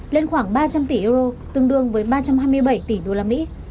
lên khoảng ba trăm linh tỷ euro tương đương với ba trăm hai mươi bảy tỷ đô la mỹ